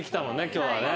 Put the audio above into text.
今日はね。